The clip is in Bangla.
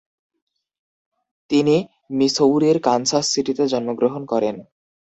তিনি মিসৌরির কানসাস সিটিতে জন্মগ্রহণ করেন।